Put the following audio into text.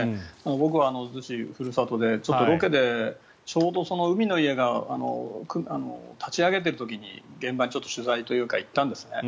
僕は逗子がふるさとでロケでちょうど海の家が立ち上げている時に、現場にちょっと取材行ったんですね。